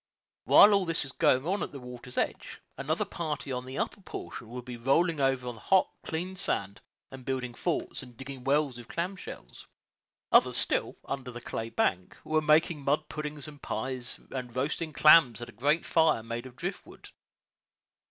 While all this was going on at the water's edge, another party on the upper portion would be rolling over on the hot, clean sand, and building forts, and digging wells with clam shells; others still, under the clay bank, were making mud puddings and pies, and roasting clams at a great fire made of drift wood.